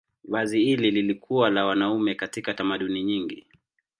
Vazi hili lilikuwa la wanaume katika tamaduni nyingi.